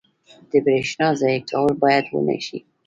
• د برېښنا ضایع کول باید ونه شي.